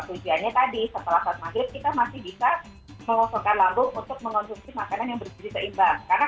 tujuannya tadi setelah saat maghrib kita masih bisa mengonsumsi makanan yang berbisnis seimbang